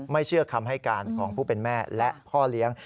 เชื่อคำให้การของผู้เป็นแม่และพ่อเลี้ยง